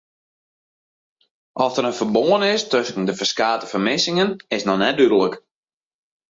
Oft der in ferbân is tusken de ferskate fermissingen is noch net dúdlik.